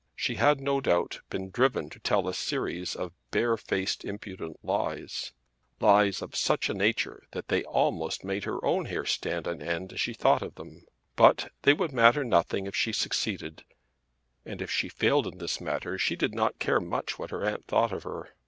She had, no doubt, been driven to tell a series of barefaced impudent lies, lies of such a nature that they almost made her own hair stand on end as she thought of them; but they would matter nothing if she succeeded; and if she failed in this matter she did not care much what her aunt thought of her.